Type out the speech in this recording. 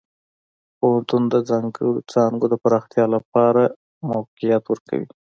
پوهنتون د ځانګړو څانګو د پراختیا لپاره موقعیت ورکوي.